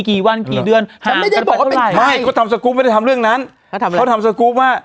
กี่วันกี่เดือนทางไปกันเท่าไหร่